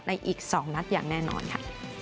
อีก๒นัดอย่างแน่นอนค่ะ